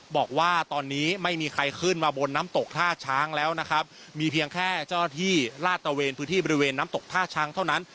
บอกว่าตอนนี้ไม่มีใครขึ้นมาบนน้ำตกท่าช้างแล้วนะครับมีเพียงแค่เจ้าหน้าที่ลาดตะเวนพื้นที่บริเวณน้ำตกท่าช้างเท่านั้น